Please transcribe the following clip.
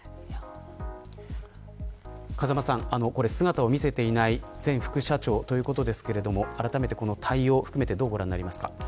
風間さん、姿を見せていない前副社長ということですがあらためて、対応を含めてどうご覧になりますか。